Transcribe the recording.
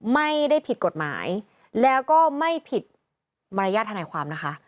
ไม่ได้ผิดกฎหมายแล้วก็ไม่ผิดมารยาทธนายความนะคะ